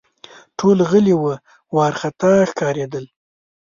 ټول غلي وه ، وارخطا ښکارېدل